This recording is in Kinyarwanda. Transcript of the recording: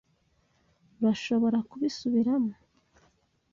Urashobora kubisubiramo?